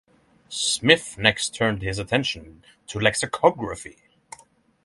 Smith next turned his attention to lexicography.